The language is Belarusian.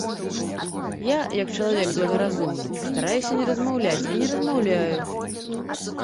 Я, як чалавек благаразумны, стараюся не размаўляць і не размаўляю.